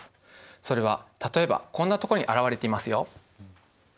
それは例えばこんなとこに現れていますよ。